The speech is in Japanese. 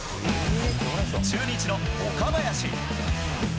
中日の岡林。